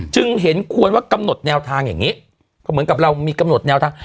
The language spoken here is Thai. จึงเห็นควรว่ากำหนดแนวทางอย่างนี้ก็เหมือนกับเรามีกำหนดแนวทาง